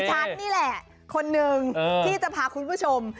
ฉันนี่แหละคนหนึ่งที่จะพาคุณผู้ชม